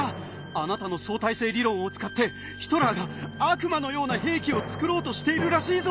あなたの相対性理論を使ってヒトラーが悪魔のような兵器を作ろうとしているらしいぞ！